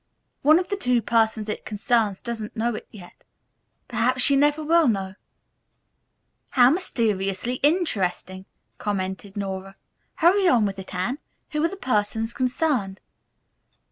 One of the two persons it concerns doesn't know it yet. Perhaps she will never know." "How mysteriously interesting," commented Nora. "Hurry on with it, Anne. Who are the persons concerned?"